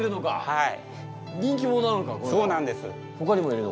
はい。